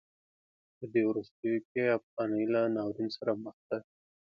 په دې وروستیو کې افغانۍ له ناورین سره مخ ده.